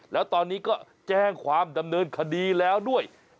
แล้วตอนนี้ก็แจ้งความดำเนินคดีแล้วด้วย